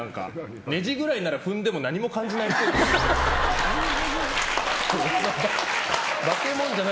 ネジくらいなら踏んでも何も感じないっぽい。